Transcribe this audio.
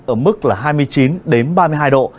ở mức là hai mươi chín ba mươi hai độ